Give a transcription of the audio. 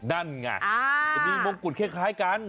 มันไงจะมีมงกุฎเข้าให้กัน